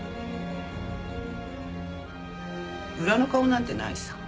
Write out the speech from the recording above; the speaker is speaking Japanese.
裏の顔なんてないさ。